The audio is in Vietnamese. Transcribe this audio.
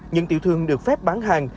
những tiểu thương được phép bán hàng